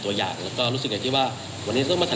แต่เจ้าตัวก็ไม่ได้รับในส่วนนั้นหรอกนะครับ